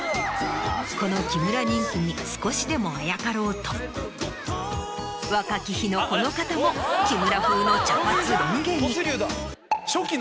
この木村人気に少しでもあやかろうと若き日のこの方も木村風の茶髪ロン毛に。